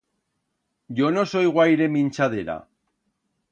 Yo no soi guaire minchadera.